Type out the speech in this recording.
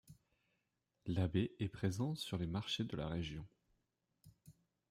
L’abbaye est présente sur les marchés de la région.